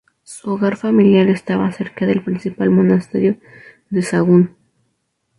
Su hogar familiar estaba cerca del principal monasterio de Sahagún.